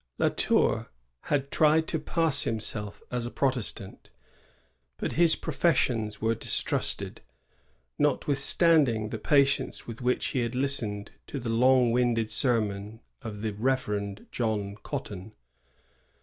La Tour had tried to pass himself as a Protestant; but his professions were distrusted, notwithstanding the patience with which he had listened to the long winded sermons of the Reverend John Cotton.